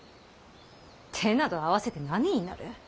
手など合わせて何になる。